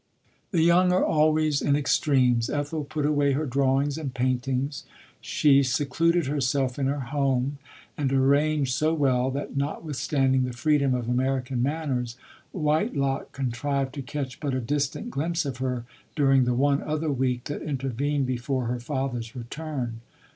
The young arc always in extremes. Ethel put away her drawings and paintings. She se cluded herself in her home ; and arranged so well, that notwithstanding the freedom of American manners, Whitelock contrived to catch but a distant glimpse of her during the one other week that intervened before her LODORK. father's return.